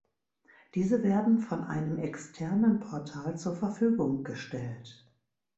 Diese werden von einem externen Portal zur Verfügung gestellt.